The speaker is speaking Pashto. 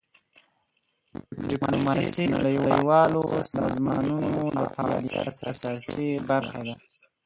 ډیپلوماسي د نړیوالو سازمانونو د فعالیت اساسي برخه ده.